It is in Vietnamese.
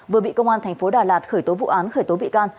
vừa bị công an thành phố đà lạt khởi tố vụ án khởi tố bị can